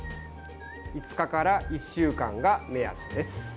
５日から１週間が目安です。